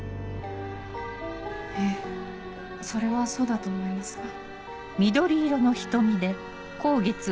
ええそれはそうだと思いますが。